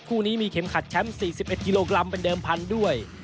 คู่นี้มีเข็มขัดแชมป์๔๑กิโลกรัมเป็นเดิมพันธุ์ด้วย